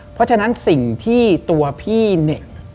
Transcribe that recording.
เพราะฉะนั้นสิ่งที่ตัวพี่เนี่ย